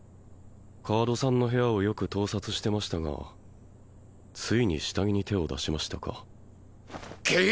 川戸さんの部屋をよく盗撮してましたがついに下着に手を出しましたか君！